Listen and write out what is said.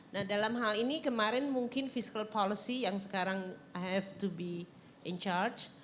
nah dalam hal ini kemarin mungkin fiscal policy yang sekarang i have to be in charge